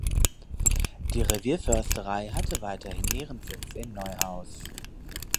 Die Revierförsterei hatte weiterhin ihren Sitz in Neuhaus.